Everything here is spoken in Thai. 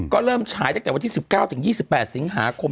ก็เริ่มฉายตั้งแต่วันที่๑๙ถึง๒๘สิงหาคม